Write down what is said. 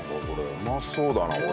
うまそうだなこれ。